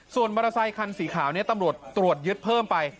ส่วนมอเตอร์ไซคันสีขาวนี้ตำรวจตรวจยึดเพิ่มไป